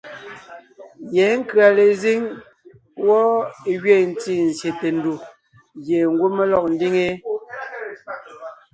Yɛ̌ nkʉ̀a lezíŋ wɔ́ gẅiin ntí zsyète ndù gie ngwɔ́ mé lɔg ńdiŋe yé.